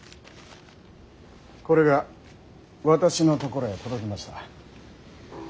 これが私のところへ届きました。